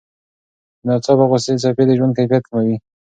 د ناڅاپه غوسې څپې د ژوند کیفیت کموي.